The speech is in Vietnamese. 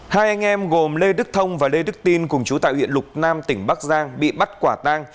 hai anh em gồm lê đức thông và lê đức tin cùng chú tại huyện lục nam tỉnh bắc giang bị bắt quả tang